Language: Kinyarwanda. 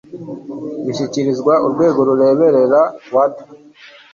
bishyikirizwa urwego rureberera wda